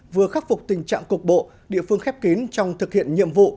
vừa khắc phục tình trạng cục bộ địa phương khép kín trong thực hiện nhiệm vụ